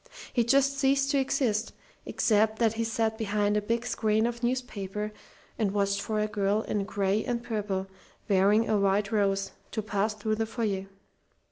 "He just ceased to exist, except that he sat behind a big screen of newspaper and watched for a girl in gray and purple, wearing a white rose, to pass through the foyer.